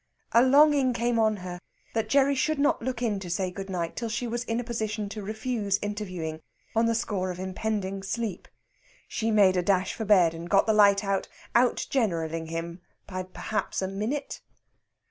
A longing came on her that Gerry should not look in to say good night till she was in a position to refuse interviewing on the score of impending sleep. She made a dash for bed, and got the light out, out generalling him by perhaps a minute.